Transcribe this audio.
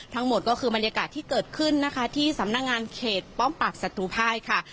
ทั้งหมดก็คือบรรยากาศที่เกิดขึ้นนะคะที่สำนักงานเขตป้อมปากศัตรูภายค่ะ